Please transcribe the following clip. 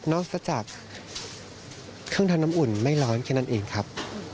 ซะจากเครื่องทำน้ำอุ่นไม่ร้อนแค่นั้นเองครับ